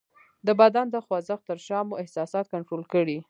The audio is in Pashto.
د بدن د خوځښت تر شا مو احساسات کنټرول کړئ :